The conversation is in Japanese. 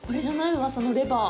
うわさのレバー。